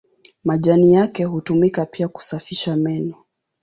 Majani yake hutumika pia kusafisha meno.